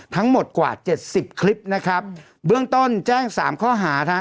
ทั้งหมดกว่าเจ็ดสิบคลิปนะครับเบื้องต้นแจ้งสามข้อหานะฮะ